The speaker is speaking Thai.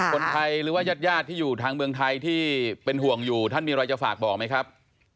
คนไทยหรือว่าญาติญาติที่อยู่ทางเมืองไทยที่เป็นห่วงอยู่ท่านมีอะไรจะฝากบอกไหมครับ